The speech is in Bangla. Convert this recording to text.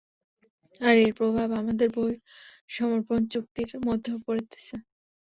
আর এর প্রভাব আমাদের বহিঃসমর্পণ চুক্তির মধ্যেও পড়তেছে।